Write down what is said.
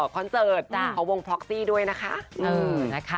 คอนเสิร์ตของวงพล็อกซี่ด้วยนะคะ